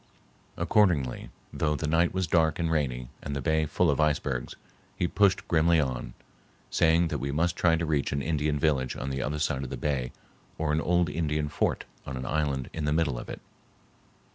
Accordingly, though the night was dark and rainy and the bay full of icebergs, he pushed grimly on, saying that we must try to reach an Indian village on the other side of the bay or an old Indian fort on an island in the middle of it.